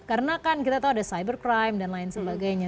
karena kan kita tahu ada cyber crime dan lain sebagainya